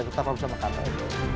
tetap bersama kami